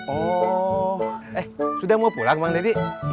oh eh sudah mau pulang bang deddy